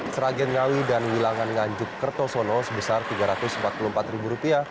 sragen ngawi dan wilangan nganjuk kertosono sebesar rp tiga ratus empat puluh empat